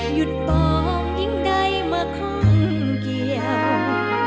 หยุดปล่องยิ่งใดมาคุ้มเกี่ยว